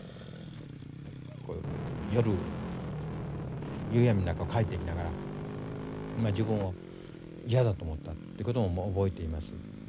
こういうふうに夜夕闇の中を帰っていきながら自分を嫌だと思ったってことも覚えています。